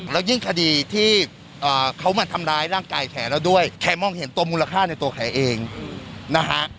แล้วยิ่งคดีที่เขามาทำร้ายร่างกายแขเราด้วยแขกมองเห็นตัวมูลค่าในตัวแขเองนะฮะ